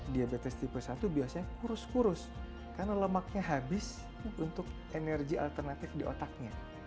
diabetes tipe satu biasanya kurus kurus karena lemaknya habis untuk energi alternatif di otaknya